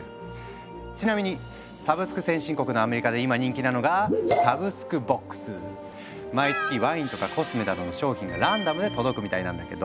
ちなみにサブスク先進国のアメリカで今人気なのが毎月ワインとかコスメなどの商品がランダムで届くみたいなんだけど。